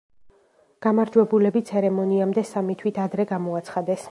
გამარჯვებულები ცერემონიამდე სამი თვით ადრე გამოაცხადეს.